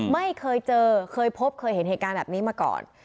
ไม่เคยเจอเคยพบเคยเห็นเหตุการณ์แบบนี้มาก่อน